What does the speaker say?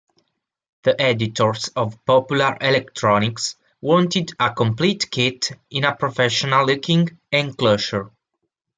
The editors of "Popular Electronics" wanted a complete kit in a professional-looking enclosure.